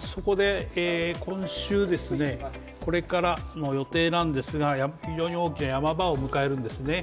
そこで今週、これからの予定なんですが非常に大きなヤマ場を迎えるんですね。